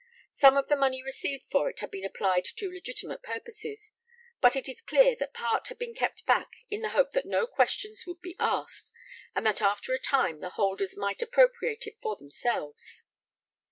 Some of the money received for it had been applied to legitimate purposes, but it is clear that part had been kept back in the hope that no questions would be asked, and that after a time the holders might appropriate it for themselves.